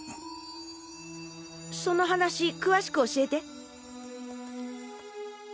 その話詳しく教えて！